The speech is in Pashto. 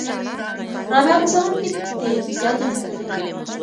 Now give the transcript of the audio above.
رابعه په صالون کې تېر یادونه کوي.